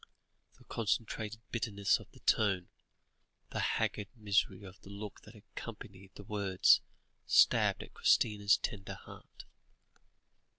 The concentrated bitterness of the tone, the haggard misery of the look that accompanied the words, stabbed at Christina's tender heart.